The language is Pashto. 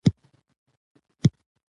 د ژوندانه چارې کله کله ستړې کوونکې بریښې